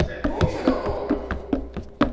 どうしてたの？